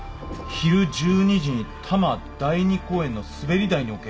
昼１２時に多摩第二公園のすべり台に置け」